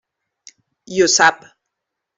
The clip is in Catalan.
I ho sap.